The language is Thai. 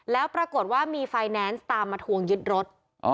แล้วปรากฏว่ามีไฟแนนซ์ตามมาทวงยึดรถ